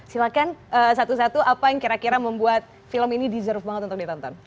silahkan satu satu apa yang kira kira membuat film ini deserve banget untuk ditonton